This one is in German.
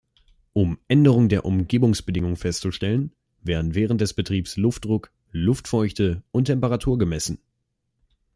Um Änderungen der Umgebungsbedingungen festzustellen, werden während des Betriebs Luftdruck, Luftfeuchte und Temperatur gemessen.